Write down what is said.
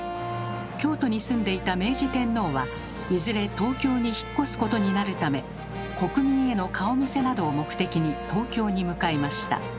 京都に住んでいた明治天皇はいずれ東京に引っ越すことになるため国民への顔見せなどを目的に東京に向かいました。